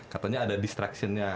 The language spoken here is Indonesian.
katanya ada distractionnya